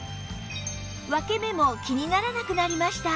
分け目も気にならなくなりました